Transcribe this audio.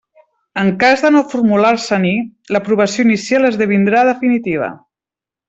En cas de no formular-se-n'hi, l'aprovació inicial esdevindrà definitiva.